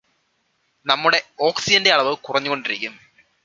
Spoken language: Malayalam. നമ്മുടെ ഓക്സിജന്റെ അളവ് കുറഞ്ഞുകൊണ്ടിരിക്കും